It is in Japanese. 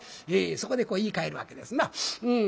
そこでこう言いかえるわけですなうん。